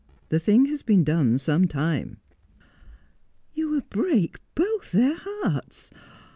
The thing has been done some time.' ' You will break both their hearts.